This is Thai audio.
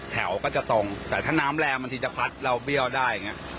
แถวก็จะตรงแต่ถ้าน้ำแรงบางทีจะพัดเราเบี้ยวได้อย่างนี้